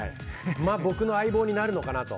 僕の相棒になるのかなと。